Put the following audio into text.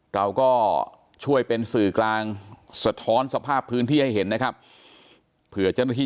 เราก็ช่วยเป็นสื่อกลางสะท้อนสภาพพื้นที่ให้เห็นนะครับเผื่อเจ้าหน้าที่